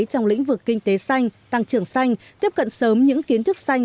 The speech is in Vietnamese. trong lĩnh vực kinh tế xanh tăng trưởng xanh tiếp cận sớm những kiến thức xanh